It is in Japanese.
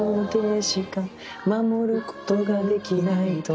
「守ることができないと」